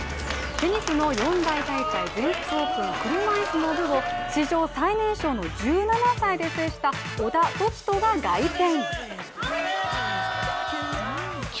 テニスの四大大会全仏オープン・車いすの部を史上最年少の１７歳で制した小田凱人が凱旋。